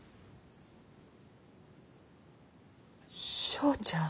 正ちゃん？